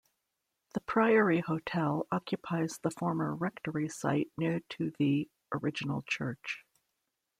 The Priory Hotel occupies the former rectory site near to the original church.